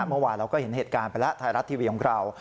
เมื่อวานเราก็เห็นเหตุการณ์ไปแล้วไทยรัฐทีวีของเรา